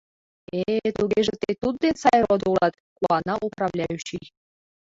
— Э-э, тугеже тый тудден сай родо улат? — куана управляющий.